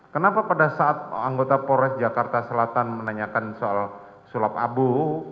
kenapa pada saat anggota polres jakarta selatan menanyakan soal sulap abu